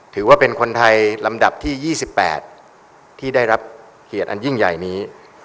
ถือว่าเป็นคนไทยลำดับที่๒๘ที่ได้รับเกียรติอันยิ่งใหญ่นี้